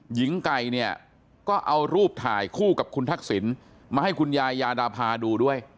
หญิงไก่เนี่ยก็เอารูปถ่ายคู่กับคุณทักษิณมาให้คุณยายยาดาพาดูด้วย